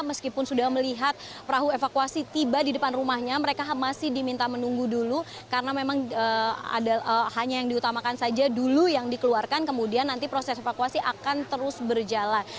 meskipun sudah melihat perahu evakuasi tiba di depan rumahnya mereka masih diminta menunggu dulu karena memang hanya yang diutamakan saja dulu yang dikeluarkan kemudian nanti proses evakuasi akan terus berjalan